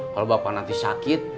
kalau bapak nanti sakit